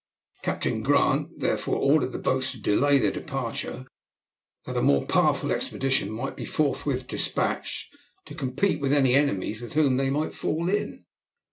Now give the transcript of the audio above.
Captain Grant, therefore, ordered the boats to delay their departure that a more powerful expedition might be forthwith despatched to compete with any enemies with whom they might fall in.